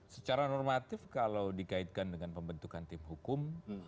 secara normatif kalau dikaitkan dengan pembentukan tim hukum